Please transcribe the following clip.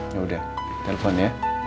ya udah telpon ya